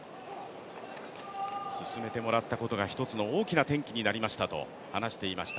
すすめてもらったことが一つの大きな転機となったと話していました。